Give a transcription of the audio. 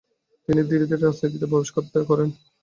তিনি ধীরে ধীরে রাজনীতিতে প্রবেশ করেন।